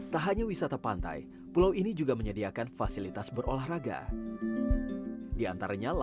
kita belum lahir